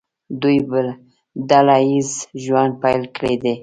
دوی ډله ییز ژوند پیل کړی دی.